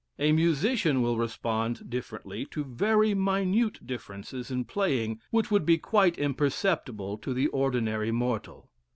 A musician will respond differently to very minute differences in playing which would be quite imperceptible to the ordinary mortal.